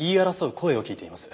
声を聞いています。